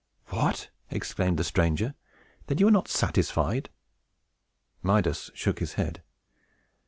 "What!" exclaimed the stranger. "Then you are not satisfied?" Midas shook his head.